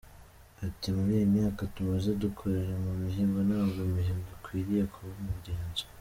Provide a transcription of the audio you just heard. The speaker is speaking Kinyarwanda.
Ati “Muri iyi myaka tumaze dukorera ku mihigo ntabwo imihigo ikwiriye kuba umugenzo.